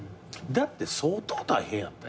だって相当大変やったやん。